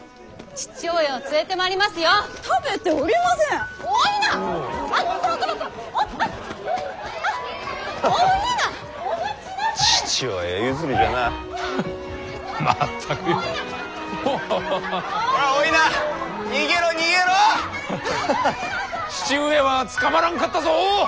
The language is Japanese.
父上は捕まらんかったぞ！